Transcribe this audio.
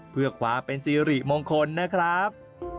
เพื่อความเป็นสิริมงคลนะครับ